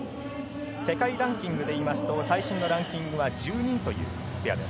世界ランキングで言いますと最新のランキングは１２位というペア。